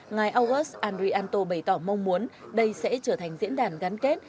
ngài augus andrianto bày tỏ mong muốn đây sẽ trở thành diễn đàn gắn kết